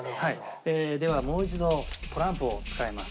ではもう一度トランプを使います。